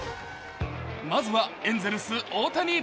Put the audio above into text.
まずは、エンゼルス・大谷。